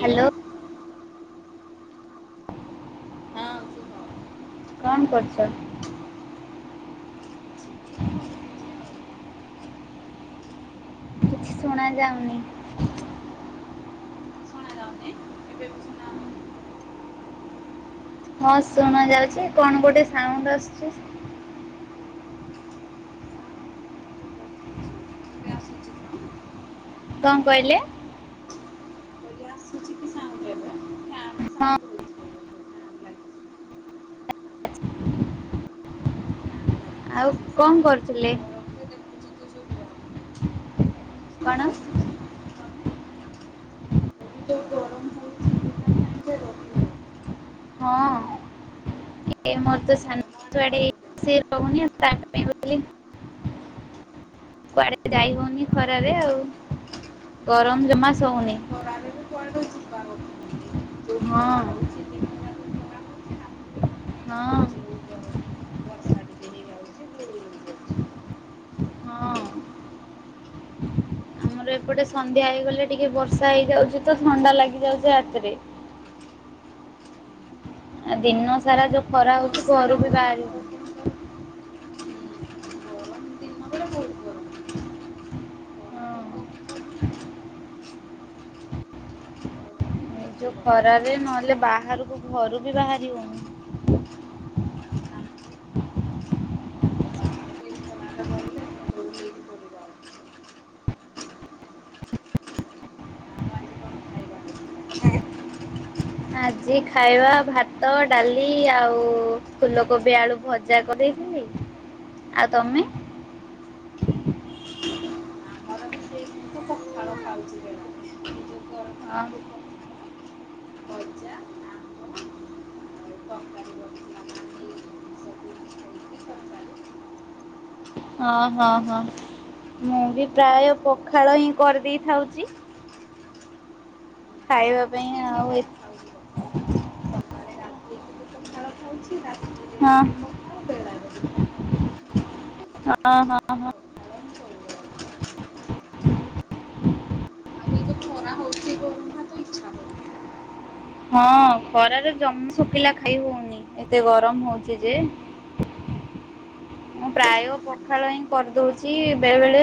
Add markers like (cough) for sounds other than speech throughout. Hello. ହଁ କୁହ। କଣ କରିଛ। ବସିଛି ଆଉ ତମେ? କିଛି ଶୁଣା ଯାଉନି। ଶୁଣା ଯାଉନି ଏବେ ବି ଶୁଣା ଯାଉନି? ହଁ ଶୁଣା ଯାଉଛି କଣ ଗୋଟେ ସାଉଣ୍ଡ୍ ଆସୁଛି। ଏବେ ଆସୁଛି ସାଉଣ୍ଡ କଣ କହିଲେ। କହିଲି ଆସୁଛି କି ସାଉଣ୍ଡ ଏବେ ଫ୍ୟାନ ସାଉଣ୍ଡ ହଉଛି ହଁ। ବୋଧେ ଫ୍ୟାନ ଲାଗିଛି ଫ୍ୟାନ ଆଉ କଣ ଲାଗିଛି କରୁଥୁଲେ? ଗରମ ତ ଦେଖୁଛ ତ ଯୋଉ ଗରମ ହଉଛି କିଛି ବି କଣ? ବସୁଛି ତମେ କହିଲି ଯୋଉ ଗରମ ହଉଛି ବିନା ଫ୍ୟାନରେ ରହି ହଉନି ହଁ ମୋର ତ ସାନ ତମ ଆଡେ ଛୁଆଟେ ଏଇ ଗରମ (inaudible) ସିଏ କେମିତି? ରହୁନି। ତା (inaudible) କୁଆଡେ ଯାଇ ହଉନି ହଁ ଖରାରେ ଆଉ ଗରମ ଜମା ସହୁନି। କୁଆଡୁ ଯିବା କଥା ନୁହେଁ, ଯୋଉ ହଁ ଖରା ହଉଚି ଦି ହଁ। ଯୋଉ ଗର ବର୍ଷା ଟିକେ ହେଇଯାଉଛି ଗୁଳୁଗୁଳି ହେଇଯାଉଛି। (inaudible) ହଁ ଆମର ଏପଟେ ସନ୍ଧ୍ୟା ହେଇଗଲେ ଟିକେ ବର୍ଷା ହେଇଯାଉଛି, ତ ଥଣ୍ଡା ଲାଗିଯାଉଛି ରାତିରେ। ଆ ଦିନ ସାରା ଯୋଉ ଖରା ହଉଛ ସାଡେ ହୋଉନି ଆମକୁ କେମିତିଆ ହୋଉନି। ଗରମ ଖରା ତ କମ ହଉନି ହଁ। ଆଉ ଗରମ ଏଇ ବେଶୀ ଯୋଉ ଗରମ ନା ଖରାରେ ନହେଲେ ବାହାରକୁ ଘରୁ ବି ବାହାରି ଯେ ହୋଉନି। ବାହାରକୁ ଏଇ ଖରାରେ ଗଲେ ମୁଣ୍ଡ ବୁଲେଇକି ପଡିବ ଆଉ। ଆଉ ଆଜି କଣ ଖାଇବା ହେଇଥିଲା? ଆଜି ଖାଇବା ଭାତ, ଡାଲି ଆଉ ଫୁଲକୋବି ଆଳୁ ଭଜା କରେଇଥିଲି। ଆଉ ତୋମେ? ଆମର ବି ସେଇ ମୁଁ ତ ପଖାଳ ଖାଉଛି ବେଳାରେ ନିଜ ଗରମ ଆଁ ଖାଏ ରେ ପଖାଳ ଭଜା ଆମ୍ବ ଆଉ ତରକାରୀ ବସିଲା ପାଣି ସବୁ ମିଶେଇକି ତରକାରୀ ହଁ, ହଁ, ହଁ ଏତିକି ଆଉ। ମୁଁ ବି ପ୍ରାୟ ପଖାଳ ହିଁ କରି ଦେଇଥାଉଚି। ଖାଇବା ମୁଁ ତ ପାଇଁ ତିନି ଆଉ ଏ ଟାଇମ୍ ଖାଉଛି ପଖାଳ। ସକାଳେ ଗାଧେଇକି ବି ପଖାଳ ଖାଉଛି ରାତିରେ ହଁ, ବି ପଖାଳ ବେଳାରେ ବି ପଖାଳ। ହଁ, ହଁ, ହଁ। ପଖାଳ ମୁଁ ସବୁବେଳେ ଖାଏ। ଆଉ ଏଇ ଯୋଉ ଖରା ହଉଛି ଗରମ ଭାତ ଇଚ୍ଛା ହଉନି ଖାଇବାକୁ। ହଁ ଖରାରେ ଜମ ଶୁକିଲା ଖାଇ ହଉନି। ଏତେ ଗରମ ହଉଚି ଯେ। ମୁଁ ପ୍ରାୟ ପଖାଳ ହିଁ କରିଦଉଛି। ବେଳେ ବେଳେ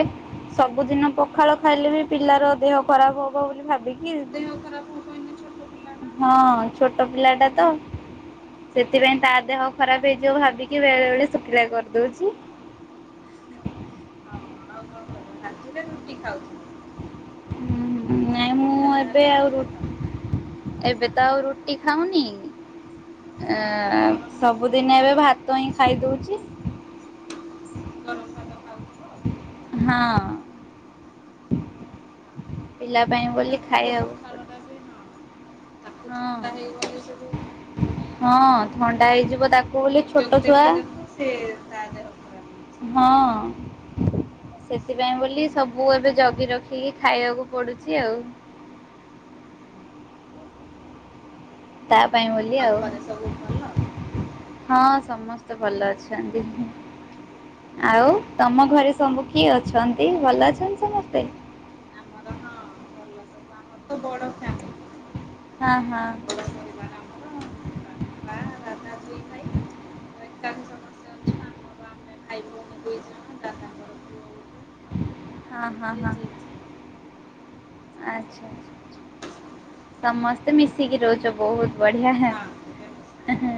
ସବୁଦିନ ପଖାଳ ଖାଇଲେ ବି ପିଲାର ଦେହ ଖରାପ ହବ ବୋଲି ଭାବିକି, ଦେହ ଖରାପ ହବ ଏଇନେ ଛୋଟ ପିଲାଟା। ହଁ ଛୋଟ ପିଲା ଟା ତ ସେଥିପାଇଁ ତା ଦେହ ଖରାପ ହେଇଯିବ ଭାବିକି ବେଳେ ବଳେ ଶୁଖିଲା କରି ଦଉଛି। ହଁ ଆଉ କଣ ରାତିରେ ରୁଟି ଖାଉଥିବ? ହୁଁ ନାଇଁ ରୁଟି ପିଠା ମୁଁ ଯାହା ଏବେ ହେଲେ ଆଉ ରାତିରେ ଖାଉଥିବ ରୁ-ଏବେ ତ ଆଉ ରୁଟି ଖାଉନି। ଏ, ଅଁ, ଗରମ ଭାତ ସବୁଦିନ ଏବେ ଭାତ ହିଁ ଖାଇ ଦଉଛି। ଗରମ ଭାତ ଖାଉଥିବ ଆଉ। ହଁ ପିଲା ପାଇଁ ବୋଲି ରାତିରେ ଖାଇବାକୁ ପଡୁଛି। ପଖାଳଟା ବି ହଁ ତାକୁ ହଁ ଥଣ୍ଡା ହେଇଗଲେ ସେଠୁ ହଁ ଥଣ୍ଡା ହେଇଯିବ ତାକ ଛୁଆକୁ ଦେଖୁ ଦେଖୁ ସେ ତା ଦେହ ଖରାପ ହେଇ ହଁ। (inaudible) ସେଥିପାଇଁ ବୋଲି ସବୁ ଏବେ ଜଗି ରଖିକି ଖାଇବାକୁ ପଡୁଚି ଆଉ। ତା ପାଇଁ ବୋଲି ଆଉ, ଘରେ ସବୁ ଭଲ? ହଁ ସମସ୍ତେ ଭଲ ଅଛନ୍ତି। ଆଉ ତୋମ ଘରେ ସବୁ କିଏ ଅଛନ୍ତି ଭଲ ଅଛନ୍ତି ସମସ୍ତେ? ଆମର ହଁ ଭଲ ସବୁ ଆମର ତ ବଡ ହଁ, ହଁ। ବଡ଼ ପରିବାର ଆମର ବାପା ଦାଦା ଦୁଇ ଭାଇ। ତ ଏକାଠି ସମସ୍ତେ ଅଛୁ ଆମର ଆମେ ଭାଇ ଭଉଣୀ ଦୁଇ ଜଣ ଦାଦାଙ୍କର ପୁଅ ଗୋଟେ। ଆ ହଁ, ହଁ, ଜେଜେ ହଁ ଜେଜେ ଆଚ୍ଛା ସମସ୍ତେ ଏକାଠି ଅଛୁ ଆଚ୍ଛା ସମସ୍ତେ ମିଶିକି ରହୁଚ, ବହୁତ ବଢିଆ, ହଁ ଏବେ ମିଶିକି।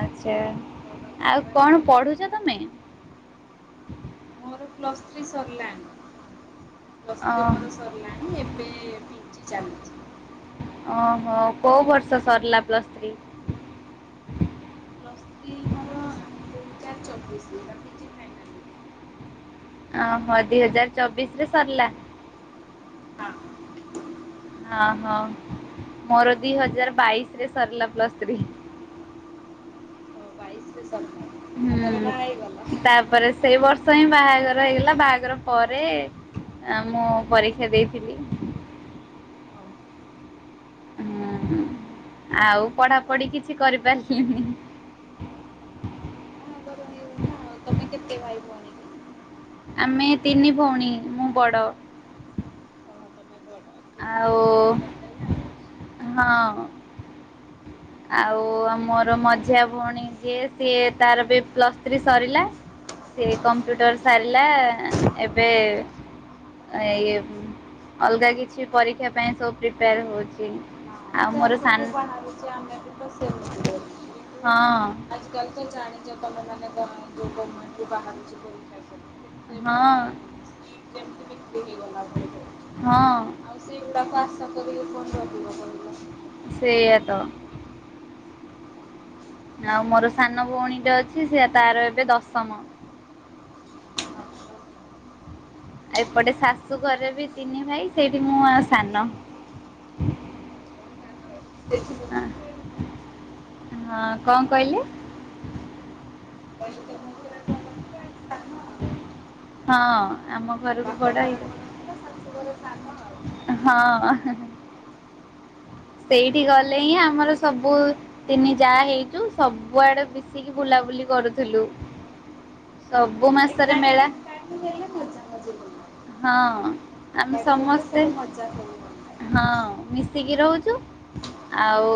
ଆଚ୍ଛା ବଡ଼ ଆଉ ପରିବାର କଣ ପଢୁଛ ତୋମେ? ମୋର ପ୍ଲସ୍ ଥ୍ରୀ ସରଲା। ପ୍ଲସ୍ ଅ ଥ୍ରୀ ମୋର ସରିଲାଣି, ଏବେ ପିଜି ଚାଲୁଚି। ଓ ହୋ କୋଉ ବର୍ଷ ସରିଲା ପ୍ଲସ୍ ଥ୍ରୀ? ଚବିଶି, ଏଟା ପିଜି ଫାଇନାଲଲିୟର୍ ଥିଲା। ଓହୋ ଦି ହଜାର ଚବିଶ ରେ ସରିଲା। ହଁ। ଅଁ, ହଁ ମୋର ଦି ହଜାର ବାଇଶ ରେ ସରିଲା ହଁ ପ୍ଲସ୍ ଥ୍ରୀ। (unintelligible) ତାପରେ ବାହା ହେଇଗଲ। ହୁଁ ତାପରେ ସେଇ ବର୍ଷ ହିଁ ବାହା ବାହାଘର ହେଇଗଲା ବାହାଘର ପରେ ଏଁ, ମୁଁ ପରୀକ୍ଷା ଦେଇଥିଲି। ହୁଁ, ହୁଁ ଆଉ ପଢାପଢି କିଛି କରିପାରିଲିନି। ତୋମେ କେତେ ଭାଇଭଉଣୀ କି? ଆମେ ତିନି ଭଉଣୀ ମୁଁ ବଡ। ହଁ ତମେ ବଡ ସେଥିପାଇଁ ଆଉ ଜଲ୍ଦି କରିଦେଲେ ଆଉ। ହଁ ଆଉ ମୋର ମଝିଆ ଭଉଣୀ ଯିଏ ସିଏ ତାର ବି ପ୍ଲସ୍ ଥ୍ରୀ ସରିଲା ସିଏ କମ୍ପ୍ୟୁଟର ସାରିଲା ଏବେ ଏ ଅଲଗା କିଛି ପରୀକ୍ଷା ପାଇଁ ସବୁ ପ୍ରିପେୟାର ହଉଛି ଆଉ ମୋର ସାନ ଗ୍ରୁ ବାହାରୁଛି ଆମେ ଡିଟୋ ସେମ ଦେଖାଯାଉଛି। ହଁ ଆଜ କାଲି ତ ଜାଣି ଚ ତମେ ମାନେ ଯୋଉ ଗଭମେଣ୍ଟରୁ ବାହାରୁଛି ପରୀକ୍ଷା ସବୁ କେତେ ମାନେ ହଁ। ସିଟ୍ ଯେମିତି ବି ହେଇଗଲା ଭଳି ହଁ ହଉଛି ଆଉ ସେଗୁଡାକ ଆସ କେବେକେବେ ଫୋନ କରିବ କହିଲ? ସେଇଆ ତ ଆଉ ମୋର ସାନ ଭଉଣୀଟ ଅଛି ସେ ତାର ଏବେ ଦଶମ। କହିଲ? ଏପଟେ ଶାଶୁ ଘରେ ବି ତିନି ଭାଇ ସେଇଠି ମୁଁ ଆ ସାନ ସେଠି ହଁ ରହୁଥିଲୁ ଏଠି କଣ କହିଲେ? କହିଲି ତମ ଘରେ ବଡ଼ ଥିଲା ଏଠି ସାନ ଆଉ। ହଁ ଆମ ଘରକୁ ବାପ ବଡ ଘରେ ବଡ଼ ଥିଲା ହେଇଗଲି। ଶାଶୁ ଘରେ ସାନ ଆଉ। ହଁ। ସେଇଠି ଗଲେ ହିଁ ଆମର ସବୁ ତିନି ଯାଆ ହେଇଛୁ ସବୁଆଡେ ମିଶିକି ବୁଲାବୁଲି କରୁଥିଲୁ ସବୁ ମାସରେ ଏକାଠି ମେଳା ଏକାଠି ହେଲେ (inaudible) ହଁ ଆମେ ଏକାଠି ହେଲେ ସମସ୍ତ ସବୁ ମଜା ସବୁ ଭଲ ଲାଗେ। ତେ ହଁ ମିଶିକି ରହୁଛୁ ଆଉ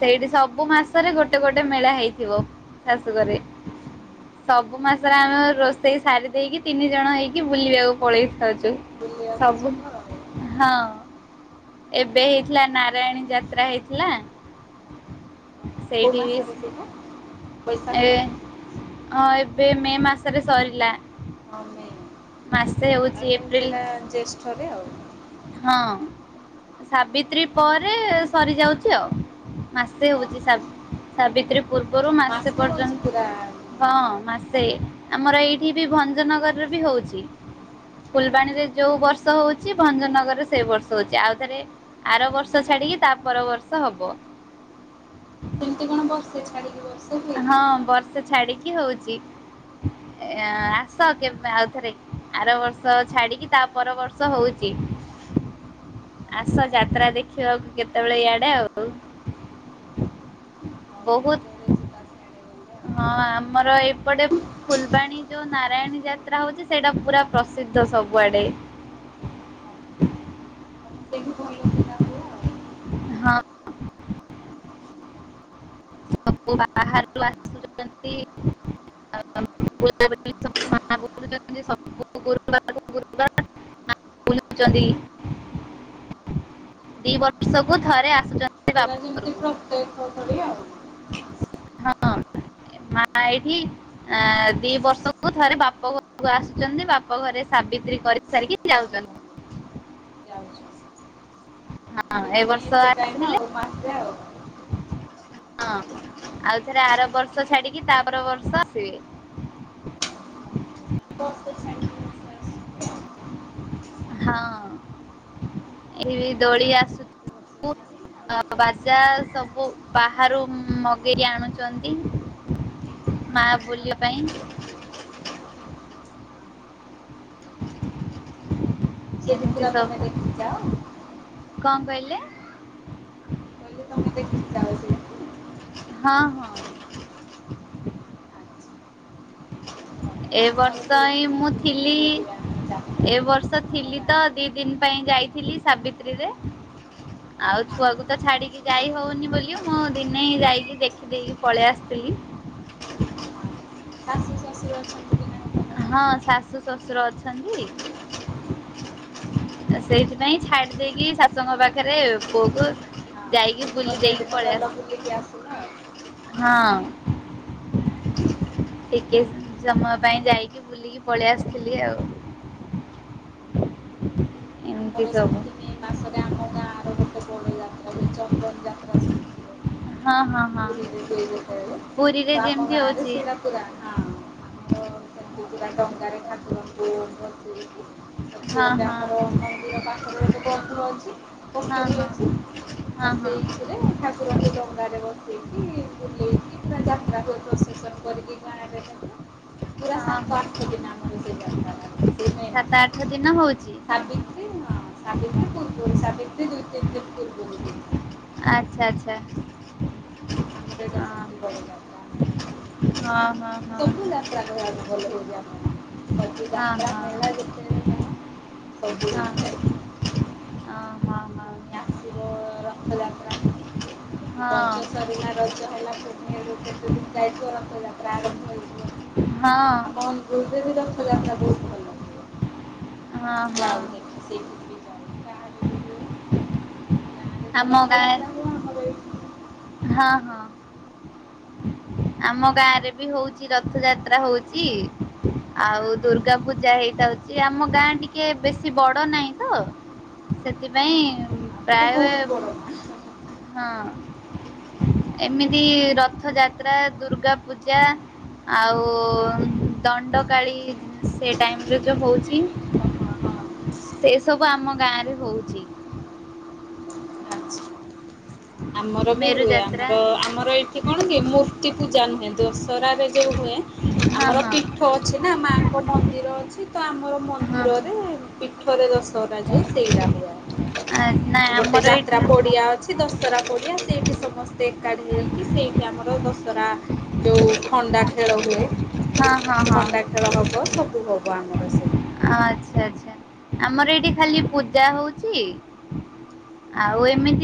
ସେଇଠି ସବୁ ମାସରେ ଗୋଟେ ଗୋଟେ ମେଳା ହେଇଥିବ ଶାଶୁ ଘରେ ସବୁ ମାସରେ ଆମେ ରୋଷେଇ ସାରି ଦେଇକି ତିନି ଜଣ ହେଇକି ବୁଲିବାକୁ ପଳେଇଥାଉଛୁ। ବୁଲିବାକୁ ସବୁ ଯିବ ଆଉ। ହଁ ଏବେ ହେଇଥିଲା ନାରାୟଣୀ ଯାତ୍ରା ହେଇଥିଲା। କୋ ସେଇଠି ବି ମାସରେ ସେଇଟା ଏ ବୈଶାଖରେ। ହଁ ଏବେ ମେ ମାସରେ ସରିଲା। ମାସେ ହଉଛି। ସେଟା ଜ୍ୟେଷ୍ଠରେ ଆଉ। ହଁ ସାବିତ୍ରୀ ପରେ ସରିଯାଉଛି ଆଉ ମାସେ ହଉଛି ସା ଓହୋ। ସାବିତ୍ରୀ ପୂର୍ବରୁ ମାସେ। ସେ ହଉଛି ପର୍ଯ୍ୟନ୍ତ ପୁରା ମେଳାଟା। ହଁ ମାସ ସେ ଆମର ଏଇଠି ବି ଭଞ୍ଜନଗରରେ ବି ହଉଛି। ଫୁଲବାଣୀରେ ଯୋଉ ବର୍ଷ ହଉଛି ଭଞ୍ଜନଗରରେ ସେଇ ବର୍ଷ ହଉଛି ଆଉଥରେ ଆର ବର୍ଷ ଛାଡିକି ତା ପର ବର୍ଷ ହବ। ସେମିତି କଣ ବସେ ଛାଡିକି ବର୍ଷେ ହୁଏ କି? ହଁ ବର୍ଷେ ଛାଡିକି ହଉଛି ଏ ଆସ କେବେ ଆଉଥରେ ଆର ବର୍ଷ ଛାଡିକି ତା ପର ବର୍ଷ ହଉଛି ଆସ ଯାତ୍ରା ଦେଖିବାକୁ କେତେବେଳେ ଇଆଡେ ଆଉ ଆଉ କେତେବେଳେ ବହୁତ ଯିବା ସିଆଡ଼େ ଗଲେ ଆଉ ହଁ ଆମର ଏପଟେ ଫୁଲବାଣୀ ଯୋଉ ନାରାୟଣୀ ଯାତ୍ରା ହଉଛି ସେଇଟା ପୁରା ପ୍ରସିଦ୍ଧ ସବୁଆଡେ। ହଁ ଆମ ସେଇଠି ଭଲ ସେଟା ହୁଏ ଆଉ ହଁ। ସବୁ ବାହାରୁ ଆସୁଛନ୍ତି (unintelligible) ସବୁ ଗୁରୁବାର କୁ ଗୁରୁବାର (unintelligible) ଦି ବର୍ଷକୁ ଥରେ ଆସୁଛନ୍ତି। ବାପ ପୁରା ଯେମିତି ଘରକୁ ପ୍ରତେଖ୍ୟା ଅଛନ୍ତି ଆଉ। ହଁ ମା ଏଇଠି ଏଁ ଦି ବର୍ଷକୁ ଥରେ ବାପ ଘରକୁ ଆସୁଛନ୍ତି। ବାପ ଘରେ ସାବିତ୍ରୀ କରିସାରିକି ହଉ ହଉ ଯାଉଛନ୍ତି। ଯାଉଛୁ ହଁ ଏ ବର୍ଷ ସେ ଟାଇମ୍ ଆସିଥିଲେ ଆଉ ମା ହଁ ଆଉ ଥରେ ଆର ବର୍ଷ ଛାଡିକି ତାପର ବର୍ଷ ଆସିବେ। ବର୍ଷେ ଛାଡ଼ିକି ବର୍ଷେ ଆସୁଛୁ ଆଉ ହଁ ଏ ଦୋଳି ଗୋଟେ ବର୍ଷ ଆସୁଛି ଛାଡ଼ି ଆଉ ଗୋଟେ (inaudible) ବର୍ଷ ବାଜା ସବୁ ବାହାରୁ ମଗେଇ ଆଣୁଛନ୍ତି ମା ବୁଲିବା ପାଇଁ। ସେଠି ଏମିତି ପୁରା ତମେ ସବୁ ଦେଖିଛ? କଣ କହିଲେ, କହିଲି ତମେ ଦେଖିଯାଅ ସେଇଠି ହଁ ହଁ। ଆଚ୍ଛା ଭଲ ଏ ଆମର ବି ବର୍ଷ ଏଠି ହିଁ ମୁଁ ସେମିତି ଥିଲି ମେରେ ହୁଏ ଆମର ଯାତ୍ରା ଏ ବର୍ଷ ଆମ ଥିଲି ଗାଁରେ ତ ଦି ଦିନ ପାଇଁ ଯାଇଥିଲି ସାବିତ୍ରୀରେ, ଆଉ ହଁ ଛୁଆକୁ ତ ଛାଡିକି ଯାଇ ହଉନି ବୋଲି ମୁଁ ଦିନେ ହଁ ଯାଇକି ଦେଖି ଦେଇକି ପଳେଇ ଆସିଥିଲି। ଶାଶୁ ଶ୍ୱଶୁର ଅଛନ୍ତି କି ନାହିଁ ହଁ ତମର ଶାଶୁ ଶଶୁର ଅଛନ୍ତି ସେଇଥିପାଇଁ ଛାଡି ଦେଇକି ଶାଶୁଙ୍କ ପାଖରେ ପୁଅକୁ ଯାଇକି ବୁଲି ଦେଇକି ହ ଗଲ ପଳେଇ ଆସିଥିଲି ବୁଲିକି ଆସିଲ ଆଉ। ହଁ। ଟିକେ ସ ସମୟ ପାଇଁ ଯାଇକି ବୁଲିକି ପଳେଇ ଆସିଥିଲି ଆଉ ଏମିତି ଆମର ସବୁ। ସେମିତି ମେ ଆଜି ଚନ୍ଦନ ଯାତ୍ରା ସବୁ ଥିବ। ହଁ ହଁ ହଁ। (unintelligible) ପୁରା ପୁରୀରେ ଯେମିତି ହଁ ହଉଛି ଆମର (unintelligible) ତାରେ ଠାକୁରଙ୍କୁ ବନ୍ଦ୍ (inaudible) ଏଠି ହଁ ଗୋଟେ ହଁ ଆମର ମନ୍ଦିର ପାଖରେ ଗୋଟେ ବନ୍ଧ ଅଛି ହଁ ପୋଖରୀ ହଁ ଅଛି, ତ ହଁ ହଁ ସେଇଥିରେ ଠାକୁରଙ୍କୁ ଡଙ୍ଗାରେ ବସେଇକି ବୁଲେଇକି ପୁରା ଯାତ୍ରା ହୁଏ ପ୍ରଶେସନ କରିକି ଗାଁ ରେ ଯାକ। ପୁରା ସାତ ହଁ ଆଠ ହଁ ଦିନ ଆମର ସେ ଯାତ୍ରାଟା ହୁଏ। ସେଇ ମେ ସାତ ମାସରେ ଆଠ ଦିନ ହଉଛି ସାବିତ୍ରୀ ଆଁ ସାବିତ୍ରୀ ପୂର୍ବରୁ ସାବିତ୍ରୀ ଦୁଇ (unintelligible) ଆଚ୍ଛା ଆଚ୍ଛା। ଆମର ଏଟା ସେମିତି ହଁ ବଡ ଯାତ୍ରା ଆମର। ହଁ ହଁ ସବୁ ଯାତ୍ରା ହୁଏ ଭଲ ହଉଛି ଆମର, ସବୁ ହଁ ଯାତ୍ରା ହଁ ହଁ ହେଲା ଯେତେବେଳେ ଯାହା ହଁ ସବୁ ହଁ ହଁ ହଁ। ହେଲା। ଆସିବ ରା ରଥଯାତ୍ରା ହଁ ରଜ ସରିଲା ରଜ ହେଲା ପୁନେଇ ରୁ କେତେଦିନ ଯାଇଥିବ ରଥଯା ପ୍ରାରମ୍ଭ ହୋଇ ହଁ। ତତେ ବି ରଥାଯାତ୍ରା ବହୁତ ଭଲ ଲାଗିବ। ହଁ ଯାଉ ଦେଖେ ସେଇଠି ବି ଯାଉ ବାହାରେ ବୁଲିବ। ଗାଆଁ ରେ ଯୋଉ ଆମ ଗାଁ ରଥଯାତ୍ରା ହୁଏ ଆମର ଏଇଠି ହଁ ହଁ ଆମ ଗାଁରେ ବି ହଉଛି ରଥ ଯାତ୍ରା ହଉଛି ଆଉ ଦୁର୍ଗା ପୂଜା ହେଇଥାଉଛି ଆମ ଗାଁ ଟିକେ ବେଶୀ ବଡ ନାହିଁ ତ ସେଥିପାଇଁ ଆମର ପ୍ରାୟ ବହୁତ ହଁ। ବଡ଼ ଏମିତି ରଥଯାତ୍ରା, ଦୁର୍ଗାପୂଜା, ଆଉ ଦଣ୍ଡକାଳୀ ସେ ଟାଇମରେ ଯୋଉ ହଉଛି ହଁ ହଁ ଆଚ୍ଛା। ସେ ସବୁ ଆମ ଗାଁ ରେ ହଉଛି। ଆମର ବି ମେରୁ ହୁଏ ଯାତ୍ରା ଆମର, ଆମର ଏଇଠି କଣ କି ମୂର୍ତ୍ତି ପୂଜା ନୁହଁ ଦୋସରା ରେ ଯୋଉ ହୁଏ ହଁ ଆମର ହଁ ପୀଠ ଅଛି ନା ମାଙ୍କ ମନ୍ଦିର ଅଛି ତ ଆମର ହଁ ମନ୍ଦିରରେ ପୀ ଥରେ ଦଶ କରାଯାଏ ସେଇଟା ନାଇଁ (unintelligible) ଗୋଟେ ଆମର ଯାତ୍ରା ଏଇଠି ହଁ ପଡିଆ ଅଛି ଦଶ ଦଶରା ପଡ଼ିଆ ସେଇଠି ସମସ୍ତେ ଏକାଠି ହେଇକି ସେଇଠି ଆମର ଦଶହରା ଯୋଉ ଖଣ୍ଡା ଖେଳ ହୁଏ। ହଁ ହଁ ହଁ ଖଣ୍ଡା ଖେଳ ହବ ସବୁ ହବ ଆମର ସେଇଠି ଆଚ୍ଛା ଆଚ୍ଛା ଆମର ଏ ଠି ଖାଲି ହଁ। ପୂଜା ହୋଉଚି ଆଉ ଏମିତି